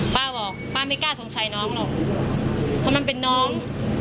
ป้าบอกป้าไม่กล้าสงสัยน้องหรอกเพราะมันเป็นน้อง